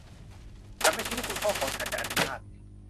ฉันไม่คิดว่าคุณพ่อของฉันจะอนุญาต